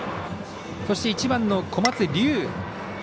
そして、１番の小松龍生。